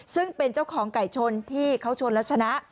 ซึ่งเป็นเจ้าของไก่ชนที่เขาชนแล้วชนะ